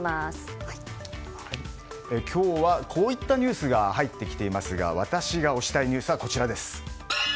今日は、こういったニュースが入ってきていますが私が推したいニュースはこちらです。